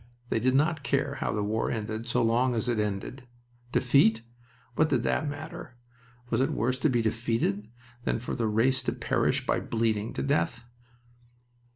They did not care how the war ended so long as it ended. Defeat? What did that matter? Was it worse to be defeated than for the race to perish by bleeding to death?